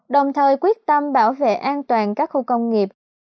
đồng thời quyết tâm bảo vệ an toàn các khu công nghiệp